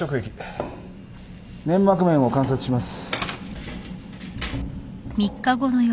粘膜面を観察します。